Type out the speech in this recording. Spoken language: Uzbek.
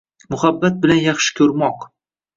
“Muhabbat” bilan “Yaxshi ko’rmoq”